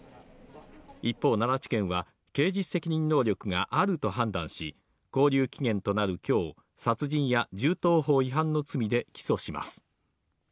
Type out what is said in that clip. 一方、奈良地検は刑事責任能力があると判断し、勾留期限となる今日、殺人や銃刀法違反の罪で起訴します。